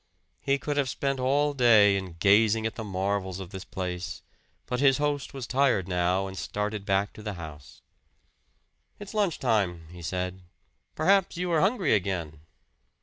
He could have spent all day in gazing at the marvels of this place, but his host was tired now and started back to the house. "It's lunch time," he said. "Perhaps you are hungry again!"